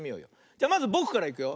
じゃまずぼくからいくよ。